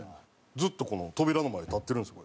ずっと扉の前に立ってるんですよ